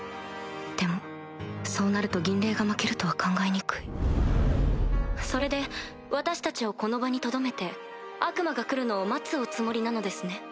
でもそうなると銀嶺が負けるとは考えにくいそれで私たちをこの場にとどめて悪魔が来るのを待つおつもりなのですね？